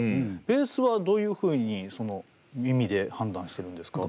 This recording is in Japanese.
ベースはどういうふうにその耳で判断してるんですか？